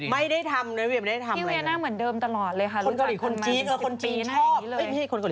ไม่ได้ทำในนั้น